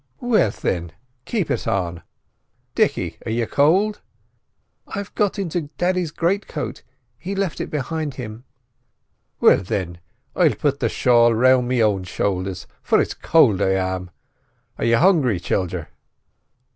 "Well, thin, keep it on. Dicky, are you cowld?" "I've got into daddy's great coat; he left it behind him." "Well, thin, I'll put the shawl round me own shoulders, for it's cowld I am. Are y' hungry, childer?"